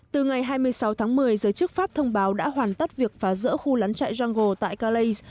từ ngày hai mươi sáu tháng một mươi giới chức pháp thông báo đã hoàn tất việc phá rỡ khu lán chạy grango tại calais